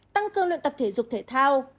tăng cương luyện tập thể dục thể thao